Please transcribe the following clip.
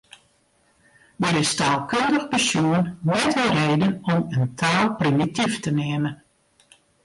Der is taalkundich besjoen net in reden om in taal primityf te neamen.